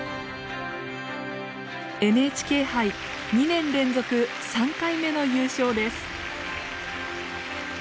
ＮＨＫ杯２年連続３回目の優勝です。